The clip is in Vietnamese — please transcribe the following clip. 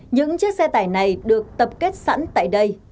những chiếc xe tải này được tập kết sẵn tại đây